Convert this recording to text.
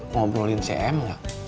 ngobrolin cm tidak